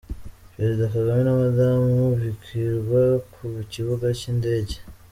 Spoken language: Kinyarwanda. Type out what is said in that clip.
Perezida Kagame na Madamu bakirwa ku kibuga cy’indege.